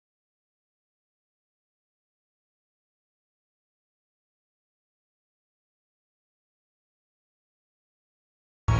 kenapa foto ini ada di rumah ini